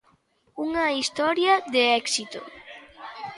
Unha historia de éxito.